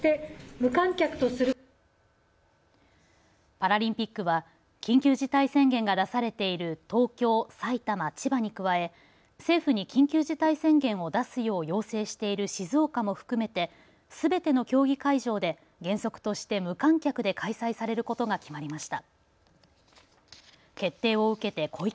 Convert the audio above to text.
パラリンピックは緊急事態宣言が出されている東京、埼玉、千葉に加え政府に緊急事態宣言を出すよう要請している静岡も含めてすべての競技会場で原則として無観客で開催されることが決まりました。